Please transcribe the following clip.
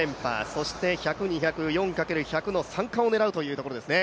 そして１００、２００、４×１００の３冠を狙うというところですね。